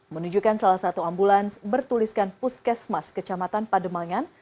menunjukkan salah satu ambulans bertuliskan puskesmas kecamatan pademangan